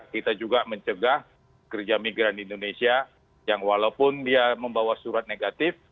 kita juga mencegah kerja migran indonesia yang walaupun dia membawa surat negatif